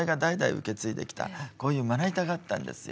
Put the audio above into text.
こういうまな板があったんですよ。